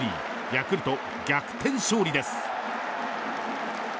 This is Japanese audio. ヤクルト、逆転勝利です。